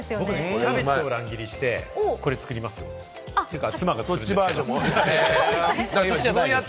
キャベツを乱切りして、これ作りますよ。というか、妻が。